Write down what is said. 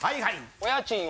お家賃よ。